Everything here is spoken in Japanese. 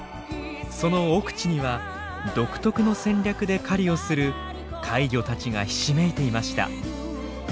その奥地には独特の戦略で狩りをする怪魚たちがひしめいていました。